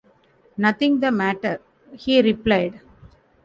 ‘Nothing the matter,’ he replied.